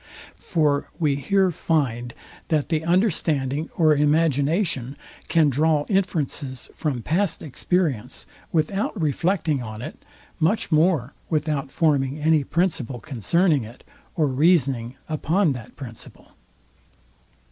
For we here find, that the understanding or imagination can draw inferences from past experience, without reflecting on it; much more without forming any principle concerning it, or reasoning upon that principle.